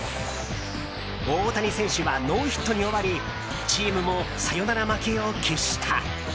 大谷選手はノーヒットに終わりチームもサヨナラ負けを喫した。